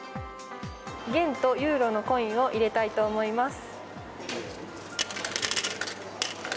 元とユーロのコインを入れたいと思います。